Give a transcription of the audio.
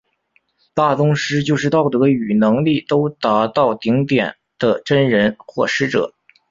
大宗师就是道德与能力都达到顶点的真人或师者。